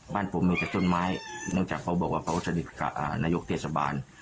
บ้านผมมีแต่ต้นไม้เนื่องจากเขาบอกว่าเขาสนิทกับนายกเทศบาล